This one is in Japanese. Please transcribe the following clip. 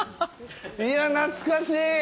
いや、懐かしい。